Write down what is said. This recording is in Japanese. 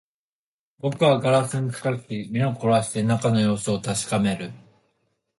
僕はガラスに近づき、目を凝らして中の様子を確かめる